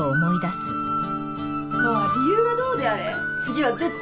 まあ理由がどうであれ次は絶対に負けんけど。